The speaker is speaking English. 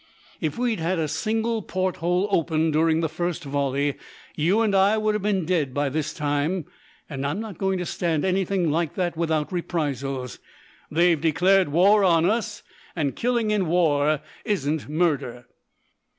If we'd had a single port hole open during the first volley you and I would have been dead by this time, and I'm not going to stand anything like that without reprisals. They've declared war on us, and killing in war isn't murder."